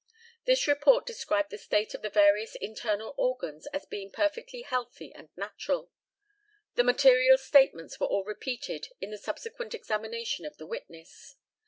This report described the state of the various internal organs as being perfectly healthy and natural. The material statements were all repeated in the subsequent examination of the witness.